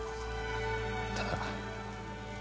ただ。